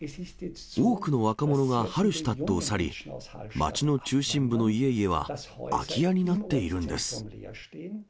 多くの若者がハルシュタットを去り、町の中心部の家々は空き家になっているんです。